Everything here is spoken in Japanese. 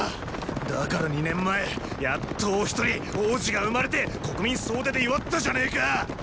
だから二年前やっとお一人王子が生まれて国民総出で祝ったじゃねェか！